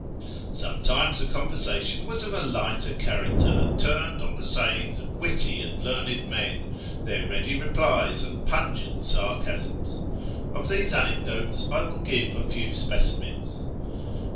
Sometimes the conversation was of a lighter character, and turned on the sayings of witty and learned men, their ready replies, and pungent sarcasms. Of these anecdotes I will give a few specimens.